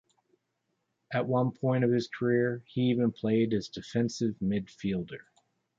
At one point of his career he even played as defensive midfielder.